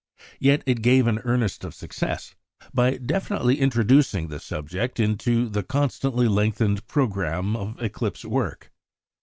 Yet it gave an earnest of success, by definitely introducing the subject into the constantly lengthened programme of eclipse work.